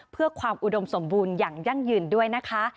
เพื่อความอุดมสมบูรณ์อย่างยั่งยืนด้วยนะคะ